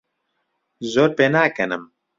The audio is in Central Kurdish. زۆر پێناکەنم.